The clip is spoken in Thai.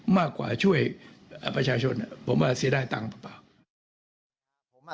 มากกว่าช่วยประชาชนผมว่าเสียดายตั้งป่าว